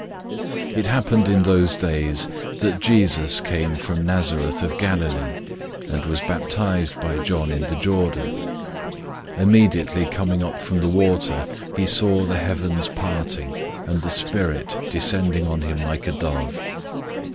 001:009 It happened in those days, that Jesus came from Nazareth of Galilee, and was baptized by John in the Jordan. 001:010 Immediately coming up from the water, he saw the heavens parting, and the Spirit descending on him like a dove.